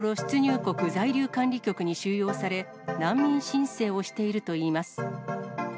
現在は、札幌出入国在留管理局に収容され、難民申請をしているといいます。